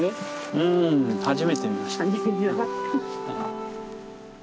うん初めて見ました。